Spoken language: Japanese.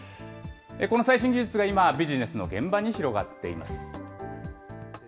この最新技術が今、ビジネスの現場に広がっています。